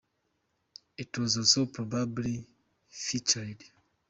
It was also probably feathered.